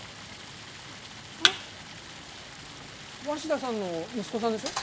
鷲田さんの息子さんでしょ？